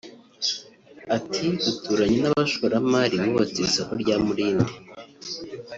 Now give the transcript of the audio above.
Ati “Duturanye n’abashoramari bubatse iri soko rya Mulindi